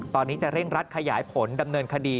ตอนนี้จะเร่งรัดขยายผลดำเนินคดี